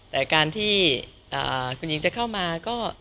แต่การที่คุณหญิงจะเข้ามาก็